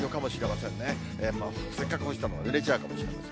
せっかく干したのがぬれちゃうかもしれません。